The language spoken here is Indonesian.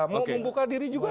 mau membuka diri juga